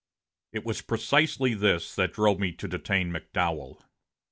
It was precisely this that drove me to detain McDowell.